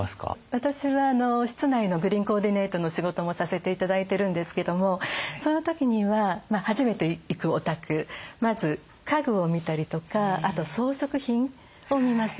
私は室内のグリーンコーディネートの仕事もさせて頂いてるんですけどもその時には初めて行くお宅まず家具を見たりとかあと装飾品を見ます。